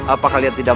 apa kalian tidak